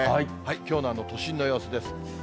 きょうの都心の様子です。